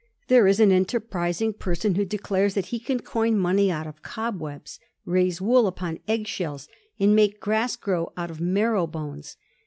There is an enterprising person who declares that he can coin money out of cobwebs, raise wool upon egg shells, and make grass grow out of mar row bones.